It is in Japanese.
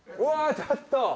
ちょっと！